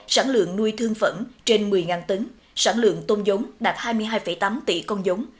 sản lượng nuôi thương phẩm trên một mươi tấn sản lượng tôm giống đạt hai mươi hai tám tỷ con giống